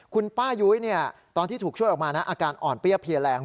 คุณป้ายุ้ยตอนที่ถูกช่วยออกมานะอาการอ่อนเปรี้ยเพลียแรง